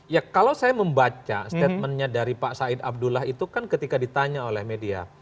ya kalau saya membaca statementnya dari pak said abdullah itu kan ketika ditanya oleh media